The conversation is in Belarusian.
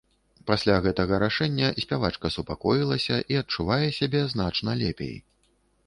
Пасля гэтага рашэння спявачка супакоілася і адчувае сябе значна лепей.